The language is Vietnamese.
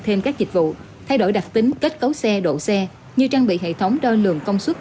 thêm các dịch vụ thay đổi đặc tính kết cấu xe độ xe như trang bị hệ thống đo lường công suất